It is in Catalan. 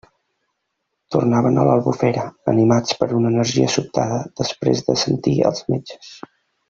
Tornaven a l'Albufera animats per una energia sobtada després de sentir els metges.